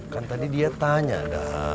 kan tadi dia tanya